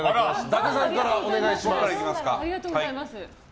伊達さんからお願いします。